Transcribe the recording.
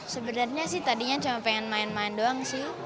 sebenarnya sih tadinya cuma pengen main main doang sih